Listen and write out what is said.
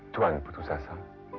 tuhan putus asa